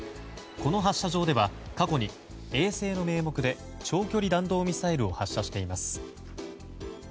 この発射場では過去に衛星の名目で長距離弾道ミサイルを発射しています。